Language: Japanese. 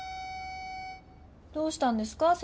どうしたんですか？